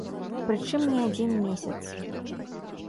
Прычым не адзін месяц.